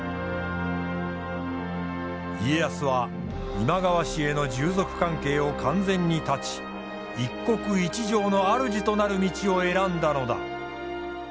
家康は今川氏への従属関係を完全に断ち一国一城の主となる道を選んだのだ。